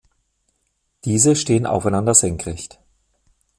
Diese stehen aufeinander senkrecht.